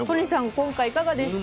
今回いかがでした？